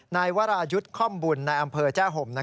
นายวรายุทธ์ค่อมบุญในอำเภอแจ้ห่ม